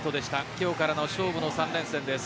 今日からの勝負の３連戦です。